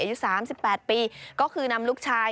อายุ๓๘ปีก็คือนำลูกชาย